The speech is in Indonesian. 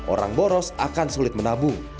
orang boros akan sulit menabung